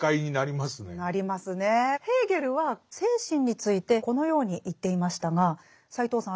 ヘーゲルは精神についてこのように言っていましたが斎藤さん